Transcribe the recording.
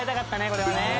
これはね。